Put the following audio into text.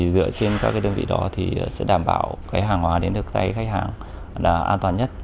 dựa trên các đơn vị đó sẽ đảm bảo hàng hóa đến được tay khách hàng an toàn nhất